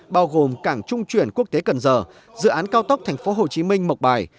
bao gồm cảng trung chuyển quốc tế cần giờ dự án cao tốc tp hcm mộc bài